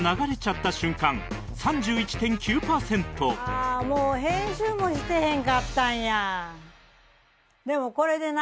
「ああもう編集もしてへんかったんや」でもこれでな